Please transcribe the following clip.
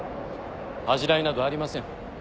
恥じらいなどありません。